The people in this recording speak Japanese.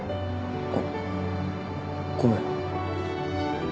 あっごめん。